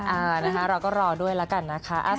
เออนะคะเราก็รอด้วยแล้วกันนะคะ